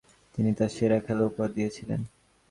তিনি তার সেরা খেলা উপহার দিয়েছিলেন।